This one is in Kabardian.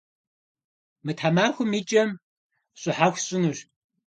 Мы тхьэмахуэм и кӏэм щӏыхьэху сщӏынущ.